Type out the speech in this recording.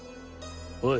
おい。